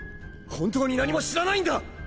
本当に何も知らないんだ！